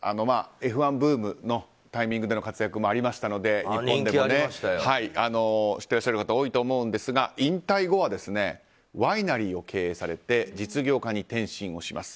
Ｆ１ブームのタイミングでの活躍もありましたので日本でも知ってらっしゃる方多いと思いますが引退後はワイナリーを経営されて実業家に転身をします。